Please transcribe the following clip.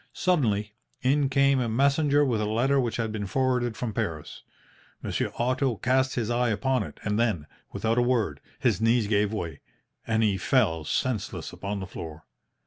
Suddenly, in came a messenger with a letter which had been forwarded from Paris. Monsieur Otto cast his eye upon it, and then, without a word, his knees gave way, and he fell senseless upon the floor.